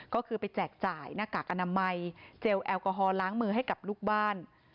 ก็คือไปแจกจ่ายหน้ากากอนามัยเจลแอลกอฮอลล้างมือให้กับลูกบ้าน